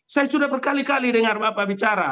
saya sudah berkali kali dengar bapak bicara